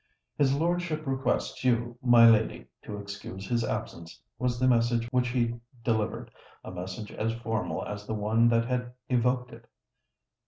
"His lordship requests you, my lady, to excuse his absence," was the message which he delivered—a message as formal as the one that had evoked it.